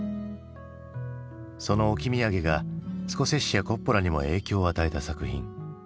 その置き土産がスコセッシやコッポラにも影響を与えた作品。